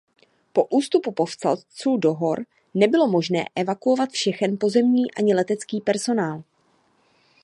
Po ústupu povstalců do hor nebylo možné evakuovat všechen pozemní ani letecký personál.